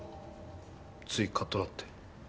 ついカッとなって。